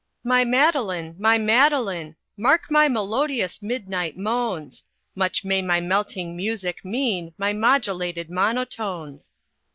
"My Madeline! My Madeline! Mark my melodious midnight moans; Much may my melting music mean, My modulated monotones.